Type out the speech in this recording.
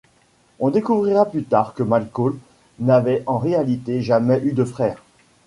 On découvrira plus tard que McCall n'avait en réalité jamais eu de frère.